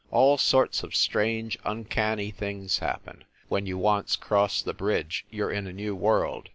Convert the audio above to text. All sorts of strange, un canny things happen; when you once cross the bridge, you re in a new world.